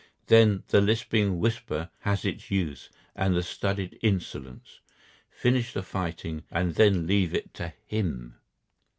Then the lisping whisper has its use, and the studied insolence. Finish the fighting, and then leave it to him.